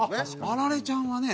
アラレちゃんはね